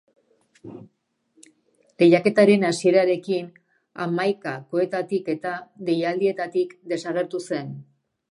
Lehiaketaren hasierarekin hamaikakoetatik eta deialdietatik desagertu zen.